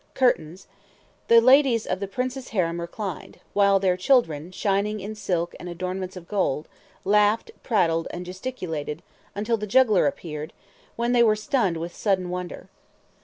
] curtains, the ladies of the Prince's harem reclined; while their children, shining in silk and ornaments of gold, laughed, prattled, and gesticulated, until the juggler appeared, when they were stunned with sudden wonder.